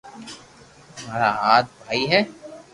مارا ھات ڀائي ھي